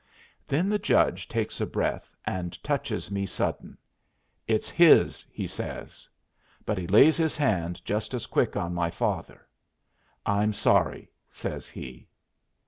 Then the judge takes a breath and touches me sudden. "It's his," he says. But he lays his hand just as quick on my father. "I'm sorry," says he.